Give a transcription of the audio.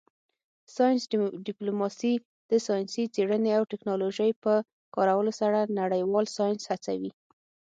ساینس ډیپلوماسي د ساینسي څیړنې او ټیکنالوژۍ په کارولو سره نړیوال ساینس هڅوي